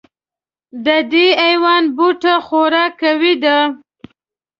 د دې حیوان بوټه خورا قوي دی.